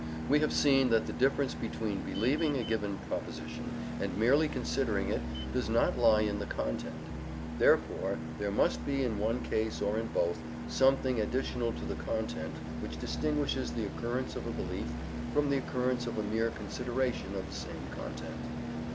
We have seen that the difference between believing a given proposition and merely considering it does not lie in the content; therefore there must be, in one case or in both, something additional to the content which distinguishes the occurrence of a belief from the occurrence of a mere consideration of the same content.